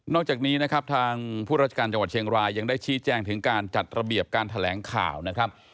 จากนี้นะครับทางผู้ราชการจังหวัดเชียงรายยังได้ชี้แจงถึงการจัดระเบียบการแถลงข่าวนะครับ